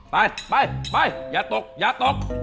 ไปไปอย่าตกอย่าตก